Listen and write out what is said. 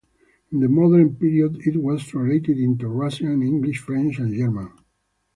In the modern period it was translated into Russian, English, French and German.